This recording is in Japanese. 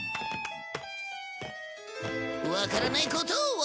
わからないことは。